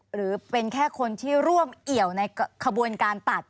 หรือเป็นแค่คนที่ร่วมเอี่ยวในขบวนการตัด